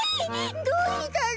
どうしたの？